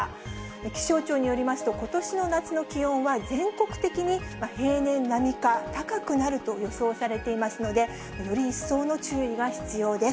気象庁によりますと、ことしの夏の気温は全国的に平年並みか高くなると予想されていますので、より一層の注意が必要です。